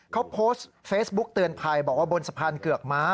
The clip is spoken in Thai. เขาโพสต์เฟซบุ๊กเตือนภัยบอกว่าบนสะพานเกือกม้า